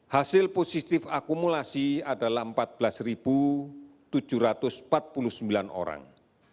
hasil positif akumulasi adalah empat belas tujuh ratus empat puluh sembilan orang